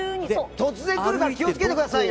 突然来るから気をつけてくださいよ。